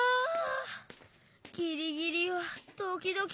ギリギリはドキドキだ。